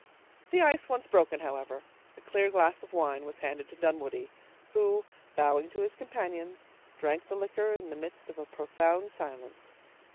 The ice once broken, however, a clear glass of wine was handed to Dunwoodie, who, bowing to his companions, drank the liquor in the midst of a profound silence.